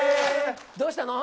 どうしたの？